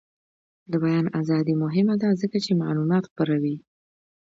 د بیان ازادي مهمه ده ځکه چې معلومات خپروي.